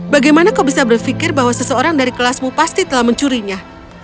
bagaimana kau bisa berpikir bahwa seseorang dari kelasmu pasti telah mencurinya